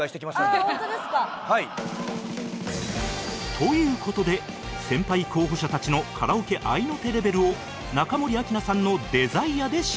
という事で先輩候補者たちのカラオケ合いの手レベルを中森明菜さんの『ＤＥＳＩＲＥ− 情熱−』で審査